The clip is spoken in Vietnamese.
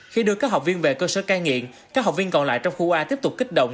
khi đưa các học viên về cơ sở cai nghiện các học viên còn lại trong khu a tiếp tục kích động